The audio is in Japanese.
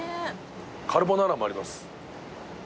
カルボナーラもあります。